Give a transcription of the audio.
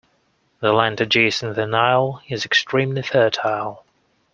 The land adjacent the Nile is extremely fertile